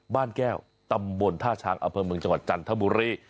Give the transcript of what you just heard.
บ้านแก้วตำบลท่าช้างอำเภอเมืองจังหวัดจันทบุรี